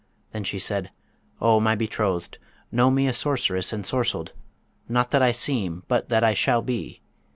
Then she said, 'O my betrothed, know me a sorceress ensorcelled; not that I seem, but that I shall be!